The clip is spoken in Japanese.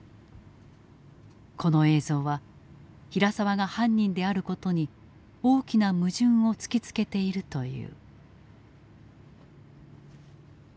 この映像は平沢が犯人であることに大きな矛盾を突きつけているという。